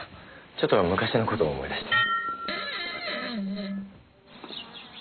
ちょっと昔の事を思い出して。